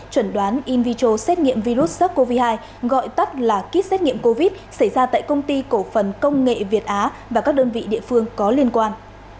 chuẩn đoán in vitro xét nghiệm virus sars cov hai gọi tắt là kit xét nghiệm covid xảy ra tại công ty cổ phần công nghệ việt á và các đơn vị địa phương có liên quan